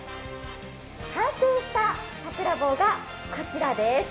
完成したさくら棒がこちらです。